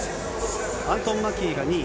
アントン・マキーが２位。